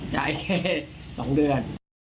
ย้ายแค่๒เดือน